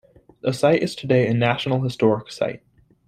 The site is today a National Historic Site.